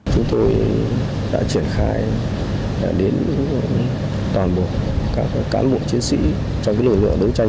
chúng tôi đã triển khai đến toàn bộ các cán bộ chiến sĩ trong lực lượng đấu tranh